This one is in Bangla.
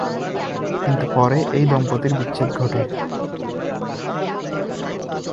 কিন্তু পরে এই দম্পতির বিচ্ছেদ ঘটে।